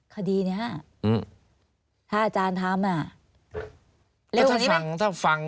คดีนี้ถ้าอาจารย์ทำเร็วกว่านี้ไหม